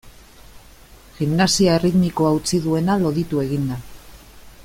Gimnasia erritmikoa utzi duena loditu egin da.